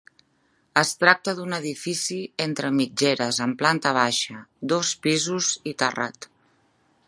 Es tracta d'un edifici entre mitgeres amb planta baixa, dos pisos i terrat.